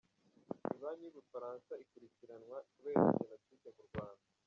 Ibanki y'Ubufaransa ikurikiranwa kubera jenoside mu Rwanda.